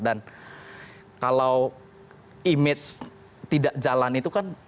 dan kalau image tidak jalan itu kan